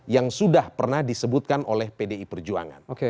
yang sudah pernah disebutkan oleh pdi perjuangan